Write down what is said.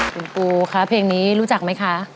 คุณปูคะเพลงนี้รู้จักไหมคะ